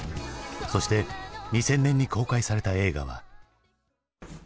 そして２０００年に公開された映画は。